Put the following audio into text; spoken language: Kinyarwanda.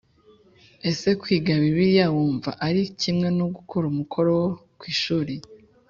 Ese kwiga Bibiliya wumva ari kimwe no gukora umukoro wo ku ishuri